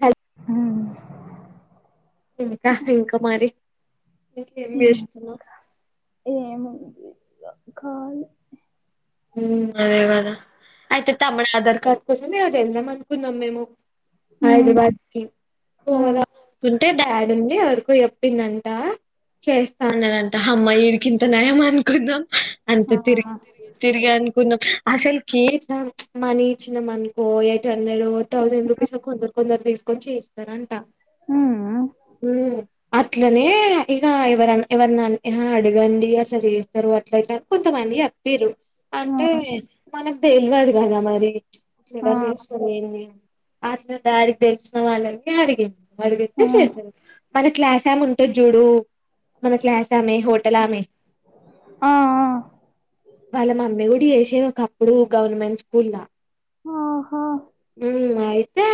హల్. ఇంకా ఇంకా మరి, ఇంకేమి చేస్తున్నావ్. ఏముంది కాలి. అదే గదా అయితే తమ్ముడు ఆధార్ కార్డ్ కోసం ఈరోజు వెళ్దాం అనుకున్నాం మేము. హైదరాబాద్ కి. పోదామనుకుంటే డాడి ఉండి ఎవరికో చెప్పిండంట. చేస్తా అన్నదంట అమ్మా ఇడికి ఇంత నయం అనుకున్నాం అంత తిరిగి. తిరిగి తిరిగి అనుకున్నాం అసలు కే మనీ ఇచ్చినాం అనుకో ఎట్ హండ్రెడ్ థౌసండ్. ఇస్తర్ కొందరు కొందరు తీ. వచ్చి యిస్తరంట ఉమ్ అట్లనే. ఇక ఎవర ఎవరినన్న అడగండి అసలు చేస్తరు అట్ల ఇట్లా కొంతమంది జెప్పిర్రు. అంటే మనకు తెలియదు గదా మరి ఎవర్ చేస్తరు ఏంది. అసలు డాడీ కి తెలిసిన వాళ్ళకే అడిగిండు అడిగితె చేస్తరు. మన క్లాస్ ఆమె ఉంటది జూడు మన క్లాస్ ఆమె హోటల్ ఆమె. ఆ‌. వాళ్ళ మమ్మీ గూడ చేసేది ఒకప్పుడు గవర్నమెంట్ స్కూల్ ల. అహ. ఉ అయితే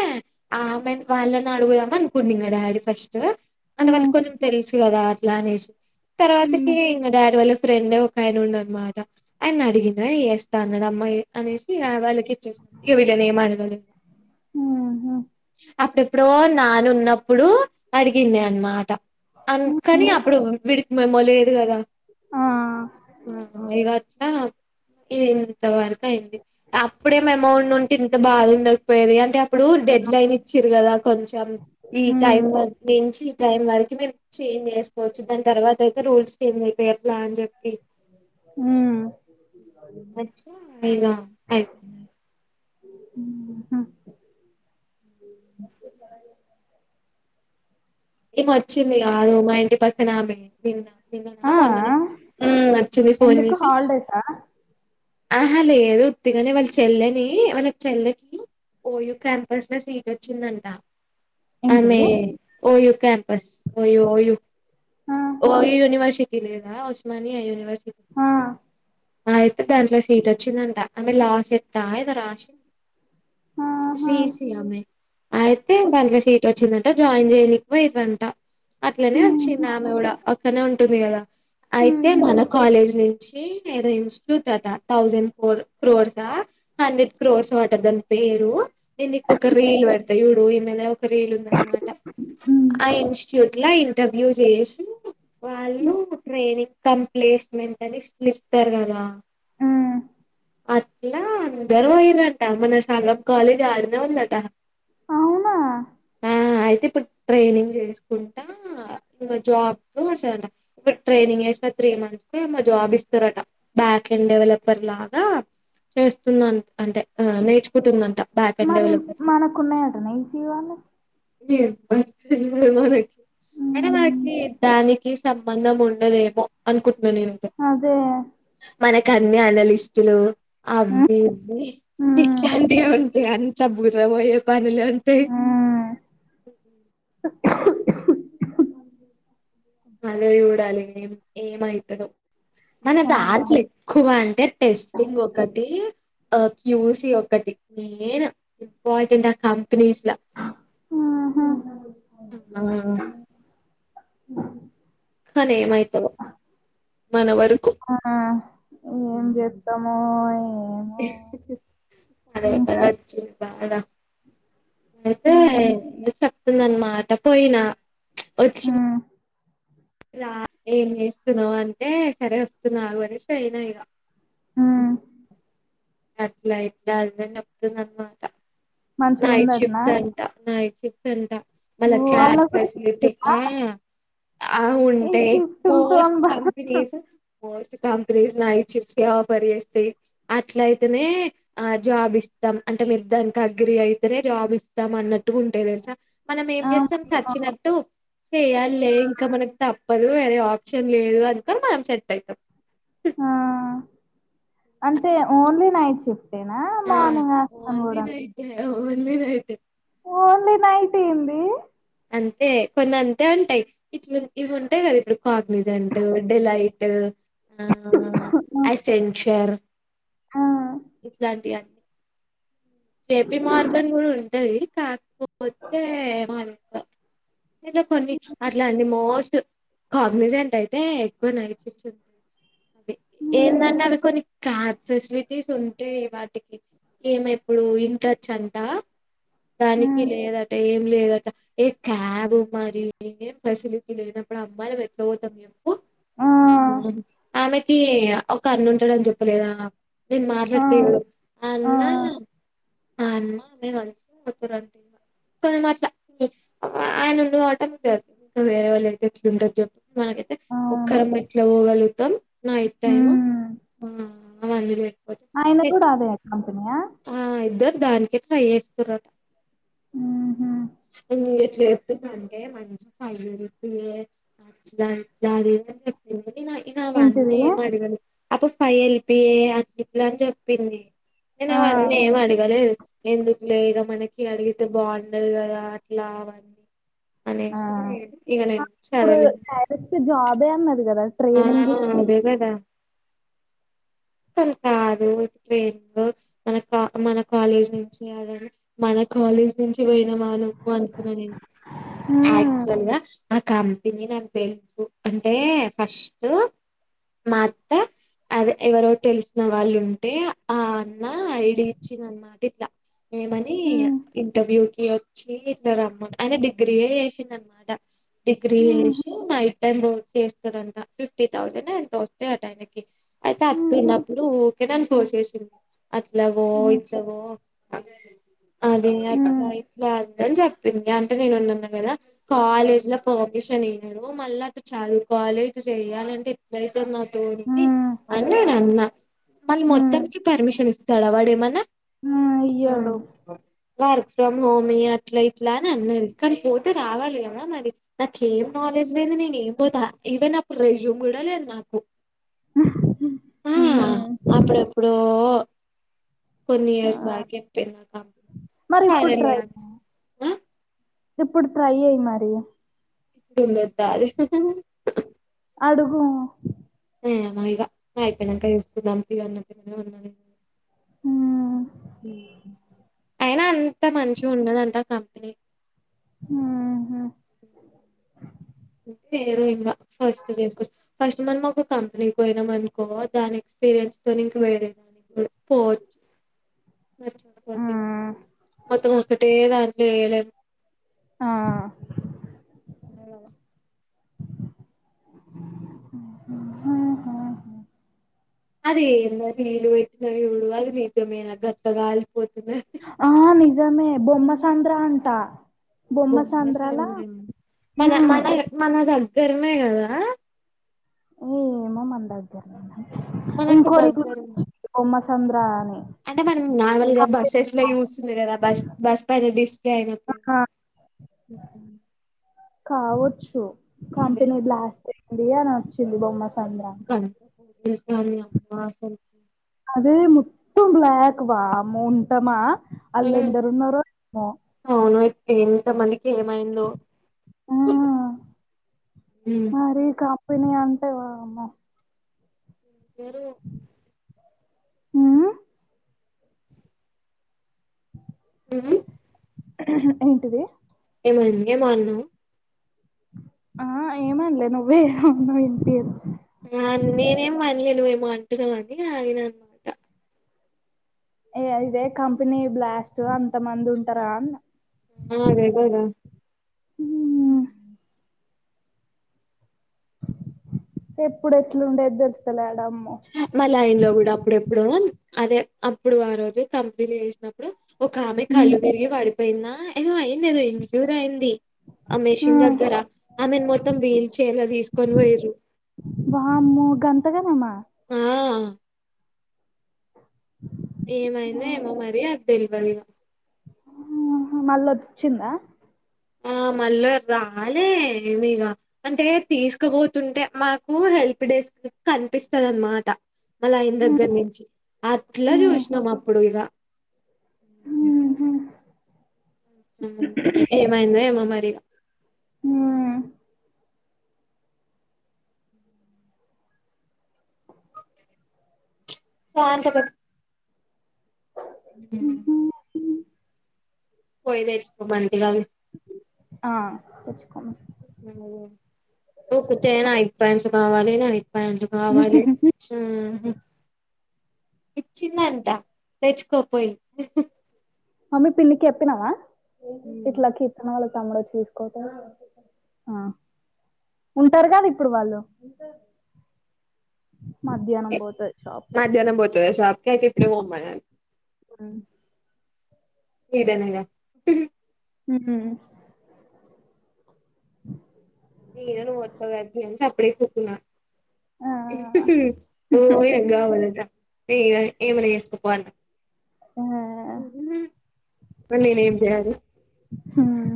ఆమె వాళ్ళని అడుగుదాం అనుకున్ ఇంగ డాడీ ఫస్ట్. అంట వాళ్ళకి కొంచెం తెలుసు కదా అట్లా అనేసి. తర్వాతకి ఇంకా డాడీ వాళ్ళ ఫ్రెండ్ ఒక ఆయన ఉండ అనమాట. అయని అడిగిన వేస్తా అన్నాడు అమ్మాయి అనేసి వాళ్ళకి ఇచ్చేసాడు ఇక వీళ్ళని ఏమి అడగలేదు ఉహు అప్పుడెప్పుడో నాన్న ఉన్నప్పుడు అడిగింది అనమాట. అన్ కానీ అప్పుడు విడి మేమ్మ లేదు కదా ఆ ఇగ అట్ల ఇంతవరకు అయింది అప్ అప్పుడేం అమౌంట్ నుంటే ఇంత బాధ ఉండకపోయెది అంటే అప్పుడు డెడ్ లైన్ ఇచ్చారు కదా కొంచెం. ఈ టైం వరకి నుంచి ఈ టైం వరకి మీరు చేంజ్ చేసుకోవచ్చు దాని తర్వాత అయితే రూల్స్ చేంజ్ అవుతాయి అట్లా అని చెప్పి. ఊ వచివునా ఇగ ఐపోవ్ ఏం వచ్చింది కాదు మా ఇంటి పక్కనమే నిన్న నిన్న ఆ మొన్ననో ఊ వచ్చింది ఫోన్ ఎందుకు చేసి. హాలిడేసా ఆహా లేదు ఒత్తిగానే వాళ్ళ చెల్లని వాళ్ళ చెల్లెకి. ఓయూ క్యాంపస్ ల సీట్ వచ్చిందంట ఏంటిది ఆమె ఓయు క్యాంపస్ ఓయూ ఓయూ ఆ ఓయూ యునివర్సిటీ లేదా ఉస్మానియా యూనివర్సిటీ. ఆ అయితే దాంట్లో సీట్ వచ్చిందంట ఆమె లా సెట్ అ ఏదో రాసింది. ఆహా సిసీ ఆమె ఆయితే దాల సీట్ వచ్చిందటా జోయిన్ చేయనికి వయిరంట అట్లనే వచ్చింది ఆమె కూడా అక్కనే ఉంటుంది కదా. అయితే మన కాలేజ్ నుంచి ఏదో ఇన్స్టిట్యూట్ అట. థౌజండ్ ఫోర్ క్రోర్సా హండ్రెడ్ క్రోర్స్ ఓ అట దాని పేరు. నేను నీకు ఒక రీల్ పెడతా యూడు ఈ మీద ఒక రీల్ ఉంద అనమాట ఆ ఇన్స్టిట్యూట్ ల ఇంటర్వ్యూ చేసి వాళ్ళు ట్రైనింగ్ కంప్లేస్మెంట్ అని లిస్ట్ ల ఇస్తారు కదా. అట్లా అందరూ వయ్యరంట మన సగం కాలేజీ ఆడనే ఉందట. అవునా ఆ అయితే ఇప్పుడు ట్రైనింగ్ చేసుకుంటా. ఆ ఇంకా జాబ్ వస్తదంట ఇ ట్రైనింగ్ వేసినా త్రీ మంత్స్ కి ఎమో జాబ్ ఇస్తారట. బ్యాక్ హెండ్ డెవలపర్ లాగా చేస్తుంద అంటే ఆ నేర్చుకుంటుందంట. బ్యాక్ అండ్ మరి డెవలప్మెంట్ మనకున్నాయట ఈసి వాళ్ళు ఏ బస్ ఏ మనకి. అయినా హ్మ్ మనకి దానికి సంబంధం ఉండదేమో అనుకుంటున్నాను నేను ఐతే అదే మనకు అన్ని అనలిస్టులు హ్మ్ అవి ఇవి హ్మ్ ఇట్లాంటియే ఉన్ ఇగ అంత బుర్ర పోయే పనులు అంటే. హ్మ్ అవును మళ్ళి చూడాలి ఏమవుతుందో మన ఆ దాంట్ల ఎక్కువ అంటే. టెస్టింగ్ ఒకటి ఆ క్యూసి ఒకటి మెయిన్. ఇంపార్టెట్ ఆ కంపెనీస్ ల ఆ ఆ ఆ కానీ ఏమైతదో మన వరు అవునా ఏం చెస్తామో ఏమో అరే హ్మ్ తనొచ్చింద ఆడ ఐతే హ్మ్ [unintelligible] తుందనమాట పోయినా వచ్చి హ్మ్ ఇలా ఏం చేస్తున్నావు అంటే సరే వస్తున్నా ఆగు అనేసి అయినా ఇలా ఊ అట్లా అట్లా అది చెప్తుందనమాట నైట్ మంచిగుందట్నా షిఫ్ట్స్ అంటా నైట్ షిఫ్ట్స్ అంటా వాళ్ళకి వాళ్ళ అప్ కూడా లెసన్ షిఫ్టులా చెప్పేకా ఆ ఈ ఉంటాయి షిఫ్టులతోని మోస్ట్ బా కంపెనీస్ మోస్ట్ కంపెనీస్ నైట్ షిఫ్ట్సే ఆఫర్ చేస్తాయి అట్ల అయితేనే ఆ జాబ్ ఇస్తాం అంటే మీరు దానిక డిగ్రీ అయితేనే జాబ్ ఇస్తాం అన్నట్టు ఉంటాయి తెలుసా మనం ఏం చేస్తాం అమ్మో! సచ్చినట్టు చెయ్యాలే ఇంకా మనకి తప్పదు అది ఆప్షన్ లేదు అంతా మనం సెట్ అయితాం ఆ అంటే ఓన్లీ నైట్ షిఫ్ట్ అంటేనా మార్నింగ్ వస్తాను కూడా యా ఓన్లీ నైటే ఓన్లీ నైట్ ఏంది అంతే కొన్ని అంతే ఉంటాయి ఇట్ ఇవి ఉంటాయి కదా ఇప్పుడు కాగ్నిజంట్, డిలైట్ ఆవును అసెన్షర్ ఆ ఇట్లాంటియా ఏపి మార్గం కూడా ఉంటది కాకపోతే మ ఇల కొన్ని అట్లాంటివి మోస్ట్ కాగ్నిజెంట్ అయితే ఎక్కువ నైట్ షిఫ్ట్స్ హుహు. ఏంటంటే అవి కొన్ని క్యాబ్ ఫెసిలిటీస్ ఉంటే వాటికి ఏమి ఎప్పుడు వింటచ్చు అంట దానికి హ్మ్. లేదట ఏం లేదట ఏ క్యాబ్ మరి ఏం ఫెసిలిటీ లేనప్పుడు అమ్మాయిలు ఎట్ల పోతాం చెప్పు ఆ! ఆమెకి ఒక అన్నుంటాడని చెప్ చెప్పలేదా నేను ఆ! మాట్లాడితే ఆ! అన్నా అన్నా [unintelligible] ఆయన ఉండవటం కదు వేరే వాళ్ళు అయితే ఎట్లుంటారు చెప్ప మనకైతే అవును. ఒక్కరన్న ఇట్ల పోగలుగుతాం నైట్ టైమ్ హ్మ్. ఆ అవునులే ఆయన కూడా అదే కంపెనీయా ఆ ఇద్దరు దానికి ట్రై చేస్తారట హుహు. ఇంగ ఇట్ల చెప్పిందంటే మంచి అవును అట్లా ఇట్లా అని ఏందో ఎందు ఇక అవన్నీ ఏంటిది? ఏం అడగను అ పాప ఎల్లిపోయి అట్లా అని చెప్పింది ఆ! నేను అన్ని ఏం అడగలేదు ఎందుకులే ఏదో మనకి అడిగితే బాగుండదు కదా అట్లా [unintelligible] అనేసి ఇగ నేను సరేలే ఎ జాబే అన్నారు కదా ఆ అదే కదా [unintelligible] కాదు మన కా మన కాలేజ్ నుంచి ఈయరని మన కాలేజ్ నుంచి పొయ్నమా నువ్వు అనుకున్నా నేను హ్మ్. క్చువల్ గా ఆ కంపెనీ నాకు తెలుసు అంటే ఫస్ట్ మాత్త అదె ఎవరో తెలిసిన వాళ్ళుంటే ఆ అన్న ఐ డి ఇచ్చిననమాట ఇట్లా ఏమని హ్మ్. ఇంటర్వ్యూ కి ఆయన డిగ్రీయే ఏసిడన్మాట డిగ్రీ హుహు. ఏసి మ చేస్తరంట ఫిఫ్టీ థౌజనో ఎంతో వస్తయట ఆయనకి అయితే అతు హుహు. ఉన్నప్పుడు ఊకే నను పోసేసింది అట్లవో హ్మ్. ఇట్లవో అదే హ్మ్. అట్లా ఇట్లా అని జెప్పింది అంటే నేనున్నన్నా గదా కాలేజ్ లో పమిషన్ ఇయ్యడూ మళ్ళటు చదువు కాలేజు చెయ్యాలంటే ఎట్లైతది నా తోనికి హ్మ్. అన్ నేనన్న మళ్ళీ మొత్తం హ్మ్. కి పర్మిషన్ ఇస్తాడ వాడేమన్నా హ్మ్. ఇయ్యడు. వర్క్ ఫ్రమ్ హోమి అట్ల ఇట్లా అనన్నది కానీ పోతే రావాలి గదా మరి నాకేం నాలెడ్జ్ లేదు నేను ఏం పోతా ఈవెన్ అప్పుడు రెజ్యూమ్ గూడా లేదు నాకు ఆ హ్మ్. అప్పుడెప్పుడో కొన్ని ఆ! ఇయర్స్ బ్యాక్పెటినాక మరి ఇప్పుడు ట్రై హారేమియాన్స్ ఇప్పుడు ట్రై ఎయ్య్ మరి టుందొత్తాలి అడుగు ఏమో ఇగ అయిపొయినాక చూసుకుందాం తీ [inaudible] ఉన్నానిగా హ్మ్. అయినా అంత మంచి గుండదంట కంపెనీ ఊహు నేరో ఇంగ ఫస్ట్ చేసుకొ ఫస్ట్ మనం ఒక కంపెనీకి పోయినాం అనుకో దాని ఎక్స్పీరియన్స్ తోన్ ఇంక వేరేద పోవచ్చు హ్మ్. మొత్తం ఒక్కటే దాంట్లో ఏళన్ ఆ నీగల హా హా అది ఏంద నీళ్ళు పెట్టిన జూడు అది నిజమేనా గట్ల గాలిపోతుంది ఆ నిజమే బొమ్మ సంద్ర అంటా బొమ్మ సంద్రాల మన మన మన దగ్గర్నే గదా ఏ మ మందా మనకు దగ్గరు బొమ్మ సంద్ర అని అంటే మనం నార్మల్గా కంపెనీ బస్సెస్ లో జూస్తుంది గదా బస్ బస్ పైన జాయన ఆ, కావచ్చు అదే కంపెనీ బ్లాస్ట్ అయింది అనొచ్చింది బొమ్మ సంద్ర ఫోన్ జేసినా అన్నయా మాసల్ అదే మొత్తం బ్లాక్ బా మోంటమా హ్మ్. ఆళ్ళెందరు ఉన్నరో అవును ఇ ఇంత మందికి ఏమైందో ఆ ఉమ్ మరి కంపెని అంటే వామ్మో ఎవరు హ హ్మ్మ్ ఏంటిది ఏమో అమాన్నవ్ ఆ ఏమన్లే నువ్వే అవున్నావ వింత అదు నేనేం అనలే నువ్వు ఏమో అంటున్నామని ఆగిన అనమాట ఏ ఇదే కంపెనీ బ్లాక్ లొ అంత మంది ఉంటారా ఆ అదే కదా అ ఉమ్ ఎప్పుడు ఎట్లుండే చెప్తలేడు అమ్మ మ లైన్ లో కూడా అప్పుడెప్పుడు అదే అప్పుడు ఆ రోజు కంప్నీట్ చేసినప్పుడు ఒక ఆమె ఉమ్ కళ్ళు తిరిగి పడిపోయిందా ఏదో అయింది ఏదో అయింది ఆ మెషిన్ దగ్గర ఆమెను మొత్తం వీల్ చైర్ తీసుకొని పోయరు వామ్మో గంత గరామ ఆ ఏమైంద ఏమో మరి అది తెలివదు ఆ మళ్ళ వదిచ్చిందా ఆ మళ్ళ రాలే మీగ అంటే తీసుకుపోతుంటే మాకు హెల్ప్ డెస్క్ కనిపిస్తంది అనమాట మళ్ళ ఆయిన దగ్గర నుంచి అట్లా హ్మ్ చూసినాం అప్పుడు ఇక హ్మ్మ్ ఏమైందో ఏమో మరి హ్మ్ సోఅంతుడు హ్ హుహు పోయి తెచ్చుకోమంది కాదు ఆఆ కూర్చ నా ఇయిప్పయింలు కావాలి నా ఇప్పయింలు కావాలి ఇచిండంట తెచకో పొయి మమ్మీ పిన్నికి చెప్పినావా హ్మ్. ఇట్లాకి తమ్ముడు సతీష్ పోతాడు అ ఉంటారు కదా ఇప్పుడు వాళ్ళు మధ్యాహ్నం ఎ పోతది షాప్కు మధ్యాహ్నం పోతదా షాప్ కి అయితే ఇప్పుడే పోమ్మనాలి అ లేదనే ఇక హు నేను నువ్వొస్తావని సప్పుడే కాకుండా కూకునా ఆ ఓంవద న ఏమైనా చేసుకోపొన్నా ఆ ఇప్పుడు నేనేం చేయాలి హ్మ్మ్